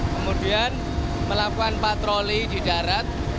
kemudian melakukan patroli di darat